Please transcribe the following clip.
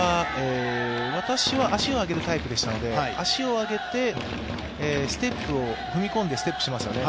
私は足を上げるタイプでしたので、足を上げて踏み込んでステップしますよね。